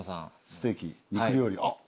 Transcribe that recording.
ステーキ肉料理。